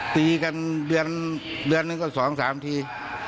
ตีกันเดือนนึนก็สองสามที